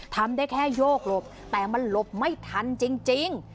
ทำได้แค่โยกหลบแต่มันหลบไม่ทันจริง